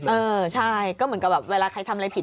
เออใช่ก็เหมือนกับแบบเวลาใครทำอะไรผิด